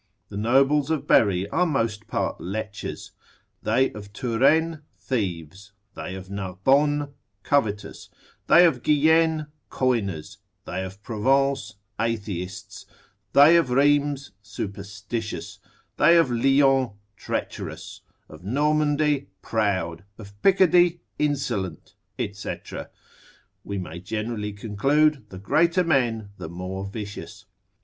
The nobles of Berry are most part lechers, they of Touraine thieves, they of Narbonne covetous, they of Guienne coiners, they of Provence atheists, they of Rheims superstitious, they of Lyons treacherous, of Normandy proud, of Picardy insolent, &c. We may generally conclude, the greater men, the more vicious.